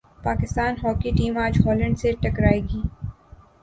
Pakistan hockey team اج Holland سے ٹکرا ئے گی